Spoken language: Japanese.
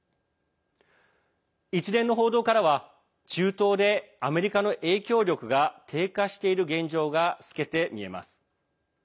一連の報道からは中東で、アメリカの影響力が低下している現状が透けて見えます。